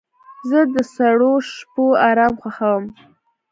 زه د سړو شپو آرام خوښوم.